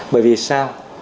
bởi vì sao